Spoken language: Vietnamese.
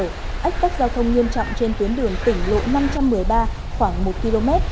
ích tách giao thông nghiêm trọng trên tuyến đường tỉnh lộ năm trăm một mươi ba khoảng một km